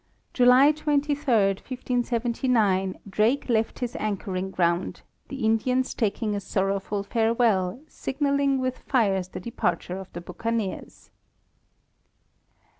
July 23, 1579, Drake left his anchoring ground, the Indians taking a sorrowful farewell, signaling with fires the departure of the buccaneers.